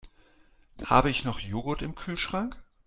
Habe ich noch Joghurt im Kühlschrank?